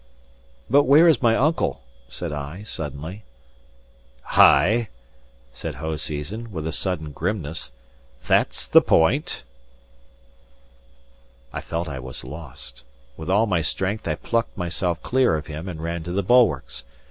"But where is my uncle?" said I suddenly. "Ay," said Hoseason, with a sudden grimness, "that's the point." I felt I was lost. With all my strength, I plucked myself clear of him and ran to the bulwarks.